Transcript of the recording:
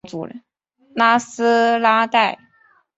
拉斯拉代。